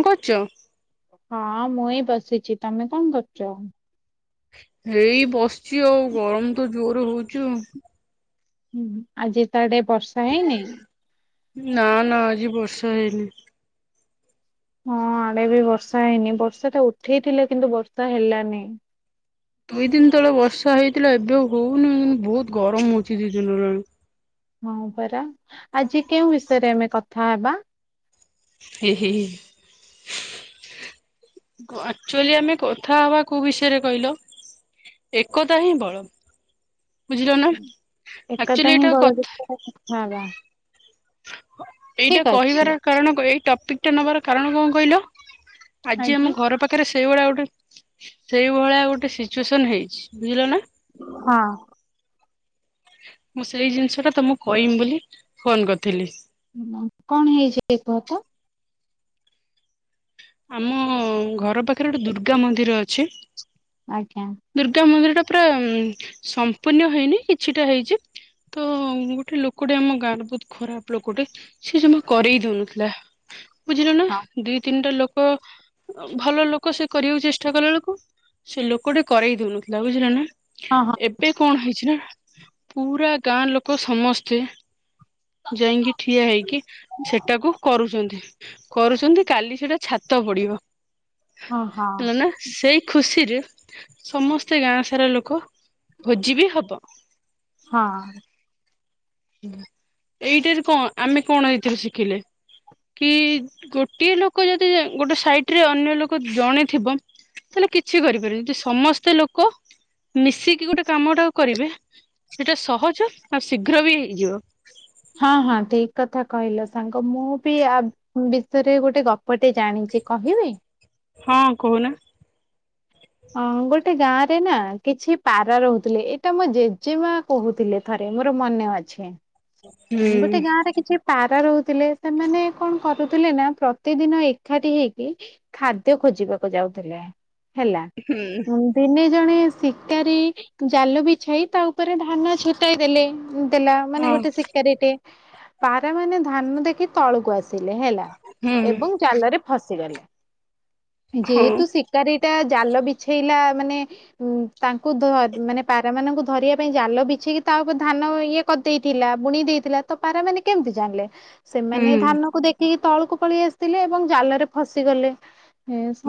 କଣ କରୁଚ? ହଁ ମୁଁ ଏଇ ବସିଚି ତମେ କଣ କରୁଚ? ଏଇ ବସିଚି ଆଉ ଗରମ ତ ଜୋର ହଉଚି ଆଉ। ହୁଁ ଆଜି ତାଡେ ଆଡେ ବର୍ଷା ହେଇନି। ନା ନା ଆଜି ବର୍ଷା ହେଇନି। ହଁ ଆଡେ ବି ବର୍ଷା ହେଇନି ବର୍ଷା ଟା ଉଠେଇଥିଲା କିନ୍ତୁ ବର୍ଷା ହେଲାନି। ଦୁଇ ଦିନ ତଳେ ବର୍ଷା ହେଇଥିଲା ଏବେ ଆଉ ହଉନି ବହୁତ ଗରମ ହଉଛି ଦି ଦିନ ହେଲାଣି। ହଁ ପରା ଆଜି କେଉଁ ବିଷୟରେ ଆମେ କଥା ହେବା। ହି ହି ହି। ଆକ୍ଚୁଆଲି ଆମେ କଥା ହବା କୋଉ ବିଷୟରେ କହିଲ। ଏକତା ହିଁ ବଳ ବୁଝିଲ ନା ଏକତା ଆକ୍ଚୁଆଲି ହିଁ ଏଇଟା ବଳ କଥା। ବିଷୟରେ କଥା ହବା। ଏଇଟା ଅଛି। କହିବାର କାରଣ ଏଇ ଟପିକ ଟା ନବାର କାରଣ କଣ କହିଲ। ଆଜି ଆଜ୍ଞା। ଆମ ଘର ପାଖରେ ସେଇଭଳିଆ ଗୋଟେ ସେଇଭଳିଆ ଗୋଟେ ସିଚୁଏସନ ହେଇଛି ବୁଝିଲ ନା। ହଁ। ମୁଁ ସେଇ ଜିନିଷ ଟା ତମକୁ କଇଁମି ବୋଲି ଫୋନ କରିଥିଲି। ହଁ କଣ ହେଇଚି କୁହ ତ? ଆମ ଘର ପାଖରେ ଗୋଟେ ଦୁର୍ଗା ମନ୍ଦିର ଅଛି। ଆଜ୍ଞା। ଦୁର୍ଗା ମନ୍ଦିର ଟା ପୁରା ସମ୍ପୂର୍ଣ୍ଣ ହେଇନି କିଛିଟା ହେଇଚି। ତ ଗୋଟେ ଲୋକଟେ ଆମ ଗାଁରୁ ବହୁତ ଖରାପ ଲୋକଟେ ସେ ଜମା କରେଇ ଦଉନଥିଲା ବୁଝିଲୁ ନା ହଁ ଦି ତିନିଟା ଲୋକ ଲୋକ ଭଲ ଲୋକ ସେ କରିବାକୁ ଚେଷ୍ଟା କଲା ବେଳକୁ ସେ ଲୋକଟା କରେଇ ଦଉନଥିଲା ବୁଝିଲ ନା ହଁ ହଁ। ଏ ଏବେ କଣ ହେଇଚି ନା ପୁରା ଗାଁ ଲୋକ ସମସ୍ତେ ଯାଇକି ଠିଆ ହେଇକି ସେଟାକୁ କରୁଛନ୍ତି। କରୁଛନ୍ତି କାଲି ସେଇଟା ଛାତ ପଡିବ। ଓ ହଁ ହେଲା ନା ସେଇ ଖୁସିରେ ସମସ୍ତେ ଗାଁ ସାରା ଲୋକ ଭୋଜି ବି ହବ। ହଁ। ଏଇଟାରେ କଣ ଆମେ କଣ ଏଇଥିରେ ଶିଖିଲେ? କି ଗୋଟିଏ ଲୋକ ଯଦି ଗୋଟେ ସାଇଟରେ ଅନ୍ୟ ଲୋକ ଜଣେଥିବ ତାଲେ କିଛି କରିପାରିବେନି ଯଦି ସମସ୍ତେ ଲୋକ ମିଶିକି ଗୋଟେ କାମ ଟା କରିବେ ସେଟା ସହଜ ଆଉ ଶୀଘ୍ର ବି ହେଇଯିବ। ହଁ ହଁ ଠିକ କଥା କହିଲ ସାଙ୍ଗ ମୁଁ ବି ଆ ବିଷୟରେ ଗୋଟେ ଗପ ଟେ ଜାଣିଚି କହିବି। ହଁ କହୁନା। ହଁ ଗୋଟେ ଗାଁ ରେ ନା କିଛି ପାରା ରହୁଥିଲେ ଏଟା ମୋ ଜେଜେମା କହୁଥିଲେ ଥରେ ମୋର ମନେ ଅଛି ହୁଁ ଗୋଟେ ଗାଁରେ କିଛି ପାରା ରହୁଥିଲେ ସେମାନେ କଣ କରୁଥିଲେ ନା ପ୍ରତିଦିନ ଏକାଠି ହେଇକି ଖାଦ୍ୟ ଖୋଜିବାକୁ ଯାଉଥିଲେ ହେଲା ହୁଁ ଉଁ। ଦିନେ ଜଣେ ଶିକାରୀ ଜାଲ ବିଛାଇ ତା ଉପରେ ଧାନ ଛୁଟାଇ ଦେଲେ। ଦେଲା ମାନେ ହଁ ଗୋଟେ ଶିକାରୀଟେ ପାରା ମାନେ ଧାନ ଦେଖି ତଳକୁ ଆସ ସିଲେ ହେଲା ହୁଁ ଏବଂ ଜାଲରେ ଫସିଗଲେ ହଁ ଯେହେତୁ ଶି କାରୀ ଟା ଜାଲ ବିଛେଇଲା ମାନେ ଉଁ ତାଙ୍କୁ ଧ ମାନେ ପାରା ମାନଙ୍କୁ ଧରିବା ପାଇଁ ଜାଲ ବିଛେଇକି ତା ଉପରେ ଧାନ ଇଏ କରିଦେଇଥିଲା ବୁଣି ଦେଇଥିଲା ତ ପାରା ମାନେ କେମିତି ଜାଣିଲେ ସେମାନେ ହୁଁ ଧାନକୁ ଦେଖ କି ତଳକୁ ପଳେଇ ଆସିଥିଲେ ଏବଂ ଜାଲରେ ଫସିଗଲେ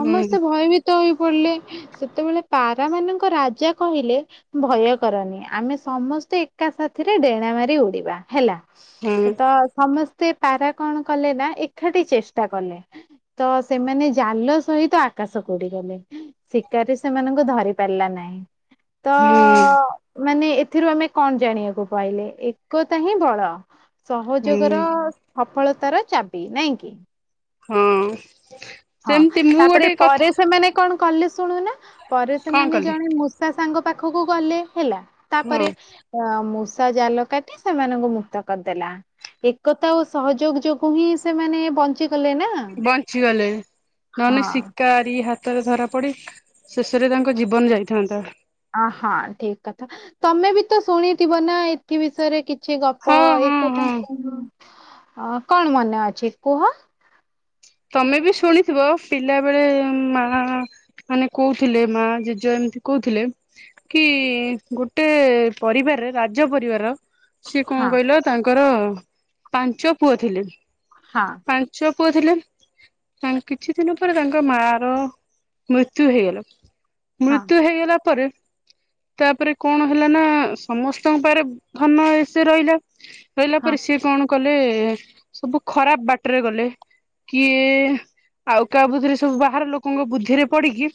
ହୁଁ ଭୟଭୀତ ତ ହେଇ ପଡିଲେ ସେତେବେଳେ ପାରା ମାନଙ୍କ ରାଜା କହିଲେ ତ ଭୟ କରନି ଆମେ ସମସ୍ତେ ଏକା ସାଥିରେ ଡେଣା ମାରି ଉଡି଼ବୁ। ବା ହେଲା ହୁଁ ତ ସମସ୍ତେ ପାରା କଣ କଲେ ନା ଏକାଠି ଚେଷ୍ଟା କଲେ ତ ସେମାନେ ଜାଲ ସହିତ ଆକାଶ ଉଡି଼ଗଲେ। ଶିକାରୀ ସେମାନଙ୍କୁ ଧରି ପାରିଲା ନାହିଁ ତ ହୁଁ ମାନେ ଏଥିରୁ ଆମେ କଣ ଜାଣିବାକୁ ପାଇଲେ ଏକତା ହିଁ ବଳ ହୁଁ ସହଯୋଗର ସଫଳତାର ଚାବି ନାଇଁ କିି? ହଁ। ହଁ ସେମିତି ମୁଁ ତାପରେ ଗୋଟେ କଥା ପରେ ସେମାନେ କଣ କଲେ ଶୁଣୁନା ପରେ କଣ ସେମାନେ କଲି ଜଣେ ମୂଷା ସାଙ୍ଗ ପାଖକୁ ଗଲେ ହେଲା ହଁ ତାପରେ ଅ ମୂଷା ଜାଲ କାଟି ସେମାନଙ୍କୁ ମୁକ୍ତ କରିଦେଲା। ଏକତା ଓ ସହଯୋଗ ଯୋଗୁ ହିଁ ସେମାନେ ବଞ୍ଚି ଗଲେ ନା। ବଞ୍ଚିଗଲେ ନହେଲେ ଶିକ୍ ହଁ। ତାରି ହାତରେ ଧରା ପଡ଼ି ଶେଷରେ ତାଙ୍କ ଜୀବନ ଯାଇଥାନ୍ତା। ଅ ହଁ ଠିକ କଥା ତମେ ବି ତ ଶୁଣିଥିବ ନା ଏଥି ବିଷୟରେ କି ଛି ଗପ ହଁ ହଁ ଏକତା ହଁ ହିଁ ବଳ କଣ ମନେ ଅଛି କୁହ? ତମେ ବି ଶୁଣିଥିବ ପିଲା ବେଳେ ମା ମାନେ କହୁଥିଲେ ମା ଜେଜେ ଏମିତି କହୁଥିଲେ କି ଗୋଟେ ପରିବାରରେ ରାଜ ପରିବାର ସିଏ କଣ ହଁ କହିଲ ତାଙ୍କର ପାଞ୍ଚ ପୁଅ ଥିଲେ ହଁ ପା ଞ୍ଚ ପୁଅ ଥିଲେ ତା କିଛି ଦିନ ପରେ ତାଙ୍କ ମା ର ମୃତ୍ୟୁ ହେଇଗଲା। ହଁ ମୃତ୍ୟୁ ହେଇଗଲା ପରେ ତାପରେ କଣ ହେଲା ନା ସମସ୍ତଙ୍କ ପାଖରେ ଧନ ଇଏ ସିଏ ରହିଲା ରହିଲା ହଁ ପରେ ସିଏ କଣ କଲେ ସବୁ ଖରାପ ବାଟରେ ଗଲେ। କିଏ ଆଉ କାହା ବୁଦ୍ଧିରେ ସବୁ ବାହାର ଲୋକଙ୍କ ବୁଦ୍ଧିରେ ପଡି଼କି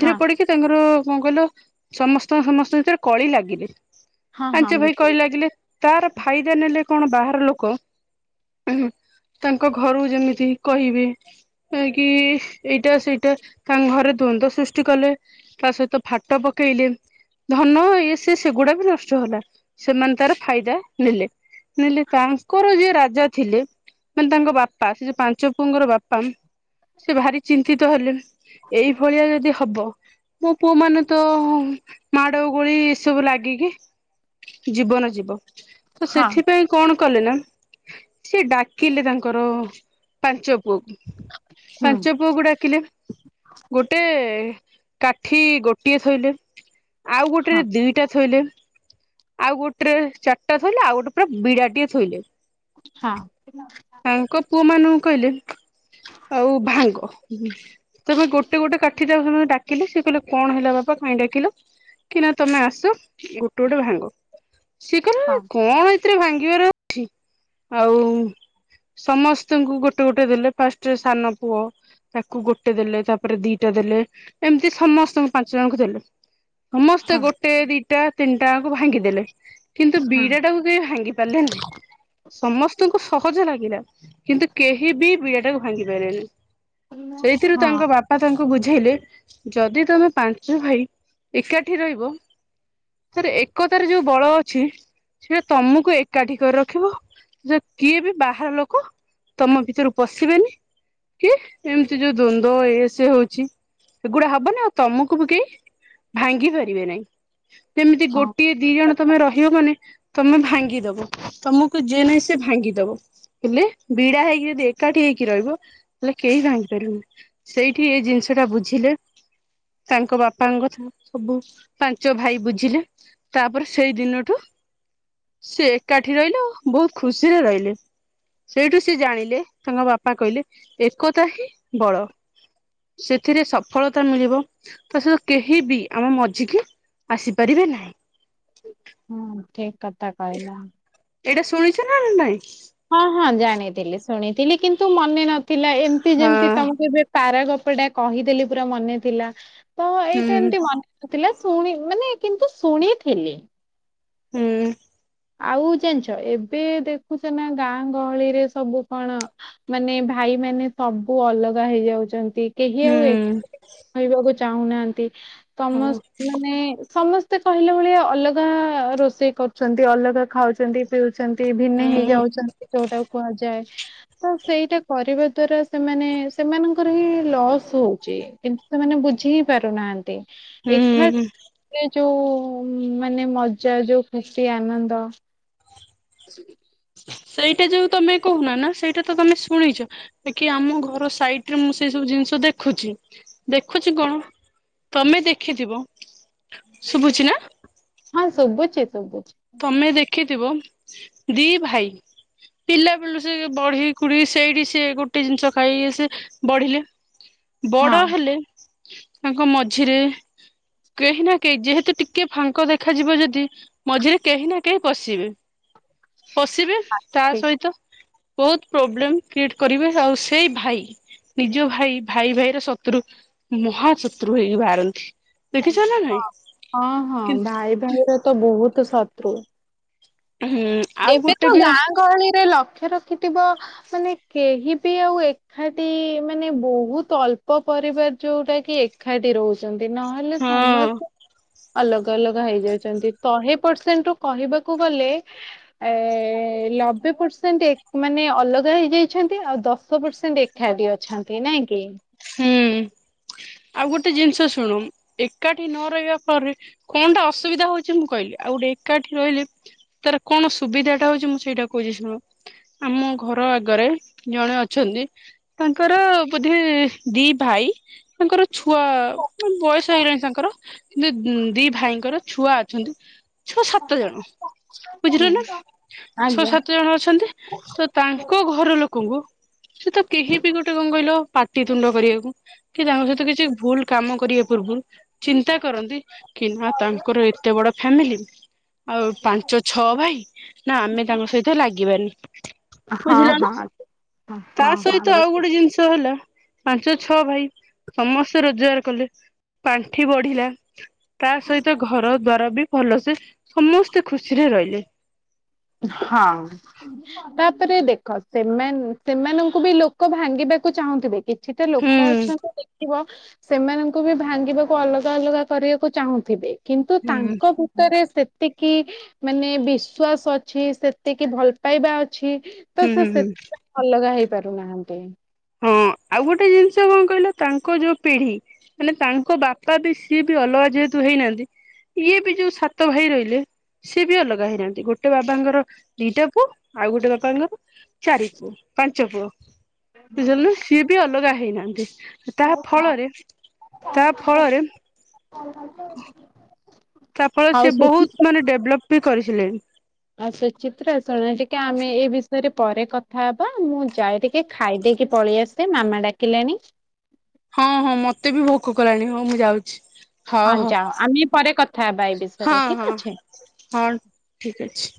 ହଁ ପଡି଼କି ତାଙ୍କର କଣ କହିଲ ସମସ୍ତ ସମସ୍ତଙ୍କ ଭିତରେ କଳି ଲାଗିଲେ। ହଁ ହଁ ପାଞ୍ଚ ଭାଇ ବୁଝିଲି କଳି ଲାଗିଲେ ତାର ଫାଇଦା ନେଲେ କଣ ବାହାର ଲୋକ ତାଙ୍କ ଘରୁ ଯେମିତି ତି କହିବେ ଯାଇକି ଏଇଟା ସେଇଟା ତାଙ୍କ ଘରେ ଦ୍ଵନ୍ଦ୍ୱ ସୃଷ୍ଟି କଲେ। ତା ସହିତ ଫାଟ ପକେଇଲେ ଧନ ଇଏ ସେ ସେଗୁଡ଼ା ବି ନଷ୍ଟ ହେଲା। ସେମାନେ ତାର ଫାଇଦା ନେଲେ। ନେଲେ ତାଙ୍କର ଯିଏ ରାଜା ଥିଲେ ମାନେ ତାଙ୍କ ବାପା ସେ ଯୋଉ ପାଞ୍ଚ ପୁଅଙ୍କର ବାପା ସେ ଭାରି ଚିନ୍ତିତ ହେଲେ ଏଇ ଭଳିଆ ଯଦି ହବ ମୋ ପୁଅ ମାନେ ତ ମାଡ଼ ଗୋଳି ଏସବୁ ଲାଗିକି ଜୀବନ ଯିବ। ତ ହଁ ସେଥିପାଇଁ କଣ କଲେ ନା ସିଏ ଡାକିଲେ ତାଙ୍କର ପାଞ୍ଚ ପୁଅଙ୍କୁ ହୁଁ ପାଞ୍ଚ ପୁଅଙ୍କୁ ଡାକିଲେ। ଗୋଟେ କାଠି ଗୋଟିଏ ଥୋଇଲେ ଆଉ ହଁ ଗୋଟେରେ ଦିଇଟା ଥୋଇଲେ ଆଉ ଗୋଟେରେ ଚାରିଟା ଥୋଇଲେ ଆଉ ଗୋଟେ ପୁରା ବିଡ଼ା ଟିଏ ଥୋଇଲେ। ହଁ। ତାଙ୍କ ପୁଅ ମାନଙ୍କୁ କହିଲେ ଆଉ ଭାଙ୍ଗ। ହୁ ହୁ ତେବେ ଗୋଟେ ଗୋଟେ କାଠି ଟାକୁ [unintelligible] ଡାକିଲେ ସିଏ କହିଲେ କଣ ହେଲା ବାପା କାଇଁ ଡାକିଲ କି ନା ତମେ ଆସ ଗୋଟେ ଗୋଟେ ଭାଙ୍ଗ ସିଏ କହିଲେ ହଁ ନାଁ କଣ ଏଥିରେ ଭାଙ୍ଗିବାର ଅଛି ଆଉ ସମସ୍ତଙ୍କୁ ଗୋଟେ ଗୋଟେ ଗୋଟେ ଦେଲେ ଫାଷ୍ଟ ସାନ ପୁଅ ତାକୁ ଗୋଟେ ଦେଲେ ତାପରେ ଦିଇଟା ଦେଲେ ଏମିତି ସମସ୍ତଙ୍କୁ ପାଞ୍ଚ ଜଣଙ୍କୁ ଦେଲେ। ସମସ୍ତେ ହଁ ଗୋଟେ ଦିଇଟା ତିନିଟା ଯାକୁ ଭାଙ୍ଗିଦେଲେ କିନ୍ତୁ ହଁ। ବିଡ଼ା ଟାକୁ ଭାଙ୍ଗି ପାରିଲେ ନାହିଁ ସମସ୍ତଙ୍କୁ ସହଜ ଲାଗିଲା କିନ୍ତୁ କେହି ବି ବିଡ଼ା ଟାକୁ ଭାଙ୍ଗି ପାରିଲେନି ହଁ ସେଇଥିରୁ ତାଙ୍କ ବାପା ବାପା ତାଙ୍କୁ ବୁଝେଇଲେ ଯଦି ତମେ ପାଞ୍ଚ ଭାଇ ଏକାଠି ରହିବ ଥରେ ଏକତାର ଯୋଉ ବଳ ଅଛି ସେଇଟା ତମକୁ ଏକାଠି କରି ରଖିବ ଯ କିଏ ବି ବାହାର ଲୋକ ତମ ଭିତରୁ ପଶିବେନି କି ଏମିତି ଯୋଉ ଦ୍ଵନ୍ଦ୍ୱଏ ସେ ହଉଛି ଏଗୁଡା ହବନି ଆଉ ତମକୁ ବି କେହି ଭାଙ୍ଗି ପାରିବେ ନାହିଁ ଯେମିତି ହଁ ଗୋଟିଏ ଦି ଜଣ କଥା ତମେ ରହ ଝିଅ ମାନେ ତମେ ଭାଙ୍ଗି ଦବ ତମକୁ ଯିଏ ନାଇଁ ସେ ଭାଙ୍ଗି ଦବ ହେଲେ ବିଡା ହେଇକି ଯଦି ଏକାଠି ହେଇକି ରହିବ ତାହେଲେ କେହି ଭାଙ୍ଗିପାରିବେନି। ସେଇଠି ଏଇ ଜିନିଷ ଟା ବୁଝିଲେ ତାଙ୍କ ବାପାଙ୍କ କଥା ସବୁ ପାଞ୍ଚ ଭାଇ ବୁଝିଲେ। ତାପରେ ସେଇ ଦିନଠୁ ସେ ଏକାଠି ରହିଲେ ଓ ବହୁତ୍ ଖୁସିରେ ରହିଲେ। ସେଇଠୁ ସେ ଜାଣିଲେ ତାଙ୍କ ବାପା କହିଲେ ଏକତା ହିଁ ବଳ। ସେଥିରେ ସଫଳତା ମିଳିବ ତା ସହିତ କେହି ବି ଆମ ମଝିକି ଆସିପାରିବେ ନାହିଁ। ହୁଁ ଠିକ୍ କଥା କହିଲ। ଏଇଟା ଶୁଣିଛ ନା ନାଇଁ? ହଁ ହଁ ଜାଣିଥିଲି ଶୁଣିଥିଲି କିନ୍ତୁ ମନେ ନଥିଲା ଏମିତି ଯେମତି ହଁ ତମକୁ ଏବେ ପାରାଗପଟା କହିଦେଲି ପୁରା ମନେ ଥିଲା ତ ଏଇଟା ହୁଁ ଏମିତି ମନେ ଥିଲା ଶୁଣି ମାନେ କିନ୍ତୁ ଶୁଣିଥିଲି। ହୁଁ। ଆଉ ଜାଣିଛ ଏବେ ଦେଖୁଛ ନା ଗାଁ ଗହଳିରେ ସବୁ କଣ ମାନେ ଭାଇ ମାନେ ସବୁ ଅଲଗା ହେଇଯାଉଛ ଯେ କେହି ହୁଁ ଆଉ ଏ ରହିବାକୁ ଚାହୁଁନାହାଁନ୍ତି ହଉ ସମ ମାନେ ସମସ୍ତେ କହିଲା ଭଳିଆ ଅଲଗା ରୋଷେଇ କରୁଛନ୍ତି ଅଲଗା ଖାଉଛନ୍ତି ପିଉଛନ୍ତି ଭିନେ ହୁଁ ହେଇଯାଉଛନ୍ତି ଯୋଉଟାକୁ କୁହାଯାଏ। ତ ସେଇଟା କରିବା ଦ୍ଵାରା ସେମାନେ ସେମାନଙ୍କର ହିଁ ଲସ୍ ହଉଛି। କିନ୍ତୁ ସେମାନେ ବୁଝି ହିଁ ପାରୁନାହାଁନ୍ତି। ଏଖା ହୁଁ ଏ ଯୋଉ ମାନେ ମଜା ଯୋଉ ଖୁ କି ଆନନ୍ଦ। ସେଇଟା ଯୋଉ ତମେ କହୁନ ନା ସେଇଟା ତ ତମେ ଶୁଣିଛ। ଯେ କି ଆମ ଘର ସାଇଟ୍ ରେ ମୁଁ ସେଇ ସବୁ ଜିନିଷ ଦେଖୁଛି ଦେଖୁଛି କଣ ତମେ ଦେଖିଥିବ ଶୁଭୁଛିି ନା? ହଁ ଶୁଭୁଛି ଶୁଭୁଛି। ତମେ ଦେଖିଥିବ ଦି ଭାଇ ପିଲା ବଳୁ ସେ ବଢି କୁଢି ସେଇଠି ସେ ଗୋଟେ ଜିନିଷ ଖାଇକି ସେ ବଢିଲେ ବଡ ହଁ ହେଲେ ତାଙ୍କ ମଝିରେ କେହି ନା କେହି ଯେହେତୁ ଟିକେ ଫାଙ୍କ ଦେଖାଯିବ ଯଦି ମଝିରେ କେହି ନା କେହି ପଶିବେ ପଶିବେ ତା ଠିକ ସହିତ ବହୁତ ପ୍ରୋବ୍ଲେମ କ୍ରିଏଟ କରିବେ ଆଉ ସେଇ ଭାଇ ନିଜ ଭାଇ ଭାଇ ଭାଇର ଶତ୍ରୁ ମହା ଶତ୍ରୁ ହେଇକି ବାହାରନ୍ତି। ଦେଖିଛ ନା ହଁ ନାଇଁ ହଁ ହଁ ଭାଇ ଭାଇର ତ ବହୁତ୍ ଶତ୍ରୃ। ହୁଁ। ଆଉ ଏବେ ଗୋଟେ ତ ବି ହଁ ଗାଁ ଗହଳିରେ ଲକ୍ଷ୍ୟ ରଖିଥିବ ମାନେ କେହି ବି ଆଉ ଏ ଏକାଠି ମାନେ ବହୁତ ଅଳ୍ପ ପରିବାର ଯୋଉଟା କି ଏକାଠି ରହୁ ଛନ୍ତି ନହେଲେ ସମସ୍ତେ ଅଲଗା ଅଲଗା ହେଇଯାଉଛନ୍ତି ଶହେ ପରସେଣ୍ଟ ରୁ କହିବାକୁ ଗଲେ ଏ ଏ ଲବେ ପରସେଣ୍ଟ ଏ ମାନେ ଅଲଗା ହେଇଯାଇଛନ୍ତି ଆଉ ଦଶ ପରସେଣ୍ଟ ଏ ଏକାଠି ଅଛନ୍ତି ନାଇଁ କି? ହୁଁ ଆଉ ଗୋଟେ ଜିନିଷ ଶୁଣ ଏକାଠି ନ ରହିବା ଫଳରେ କଣଟା ଅସୁବିଧା ହଉଛି ମୁଁ କହିଲି ଆଉ ଗୋଟେ ଏକାଠି ରହିଲେ ତାର କଣ ସୁବିଧାଟା ହଉଛି ମୁଁ ସେଇଟା କହୁଛି ଶୁଣ। ଆମ ଘର ଆଗରେ ଜଣେ ଅଛନ୍ତି ତାଙ୍କର ବୋଧେ-। ଦି ଭାଇ। ତାଙ୍କର ଛୁଆ ବୟସ ହେଇଗଲାଣି ତାଙ୍କର କିନ୍ତୁ ଦି ଭାଇଙ୍କର ଛୁଆ ଅ ଛନ୍ତି ଛ ସାତ ଜଣ ହୁଁ ବୁଝିିଲ ନା ଛଅ ଆଜ୍ଞା ସାତ ଜଣ ଅଛନ୍ତି। ତ ତାଙ୍କ ଘର ଲୋକଙ୍କୁ ସେ ତ କେହି ବି ଗୋଟେ କଁଇଲ ପାଟି। ତୁଣ୍ଡ କରିଆକୁ କି ତାଙ୍କ ସହିତ କିଛି ଭୁଲ କାମ କରିଆ ପୂର୍ବରୁ। ଚିନ୍ତା କରନ୍ତି କି ନା ତାଙ୍କର ଏତେ ବଡ ଫ୍ୟାମିଲି। ଆଉ ପାଞ୍ଚ ଛଅ ଭାଇ ନା ଆମେ ତାଙ୍କ ସହିତ ଲାଗିବାନି। ହଁ ବୁଝିଲ ହଁ ନା ହଁ ହଁ ତା ହଁ ସହିତ ଆଉ ବୁଝ ଗୋଟେ ଜିନ୍ଷ ହେଲା। ପାଞ୍ଚ ଛଅ ଭାଇ ସମସ୍ତେ ରୋଜଗାର କଲେ ପାଣ୍ଠି ବଢିଲା। ତା ସହିତ ଘର ଦ୍ଵାର ବି ଭଲସେ ସମସ୍ତେ ଖୁସିରେ ରହିଲେ। ହଁ ତାପରେ ଦେଖ ସେମାନ ସେମାନଙ୍କୁ ବି ଲୋକ ଭାଙ୍ଗିବାକୁ ଚାହୁଁଥିବେ କି ଛିଟା ହୁଁ ଲୋକ ଅଛନ୍ତି ଦେଖିବ। ସେମାନଙ୍କୁ ବି ଭାଙ୍ଗିବାକୁ ଅଲଗା ଅଲଗା କରିଆକୁ ଚାହୁଁଥିବେ କିନ୍ତୁ ହୁଁ ତାଙ୍କ ତରେ ସେତିକି ମାନେ ବିଶ୍ଵାସ ଅଛି ସେତିକି ଭଲ ପାଇବା ଅଛି। ତ ହୁଁ ହୁଁ ସେ ହୁଁ ସେଥିପାଇଁ ଅଲଗା ହେଇ ପାରୁନାହାନ୍ତି। ହଁ ଆଉ ଗୋଟେ ଜିନ୍-। ସେ କଣ କହିଲ ତାଙ୍କ ଯୋଉ ପିଢି ହେନେ ତାଙ୍କ ବାପା ବି ସିଏ ବି ଅଲଗା ଯେହେତୁ ହେଇନାହାନ୍ତି। ଇଏ ବି ଯୋଉ ସାତ ଭାଇ ରହିଲେ। ସିଏ ବି ଅଲଗା ହେଇନାହାନ୍ତି ଗୋଟେ ବାବାଙ୍କର ଦିଟା ପୁଅ ଆଉ ଗୋଟେ ବାପାଙ୍କର ଚାରି ପୁଅ ପାଞ୍ଚ ପୁଅ ଯେଲେ ସିଏ ବି ଅଲଗା ହେଇନାହାନ୍ତି। ତାହା ଫଳରେ ତା ଫଳରେ। [inaudible] ତା ଫଳରେ ଆଉ ସେ ସୁଚିତ୍ରା ବହୁତ ମାନେ ଡେଭଲପ ବି କରିସାରିଲେନି। ଆଉ ସୁଚିତ୍ରା ଶୁଣ ଟିକେ ଆମେ ଏ ବିଷୟରେ ପରେ କଥା ହେବା ମୁଁ ଯାଏ ଟିକେ ଖାଇଦେଇକି ପଳେଇ ଆସ-। ସେ ମାମା ଡାକିଲେଣି। ହଁ ହଁ ମତେ ବି ଭୋକ କଲାଣି ହଉ ମୁଁ ଯାଉଛି। ହଉ ହଁ ହଉ ଯାଅ ଆମେ ପରେ କଥା ହେବା ଏ ବିଷୟରେ ହଁ ଠିକ୍ ହଁ ଅଛି। ହଁ ଠିକ୍ ଅଛି।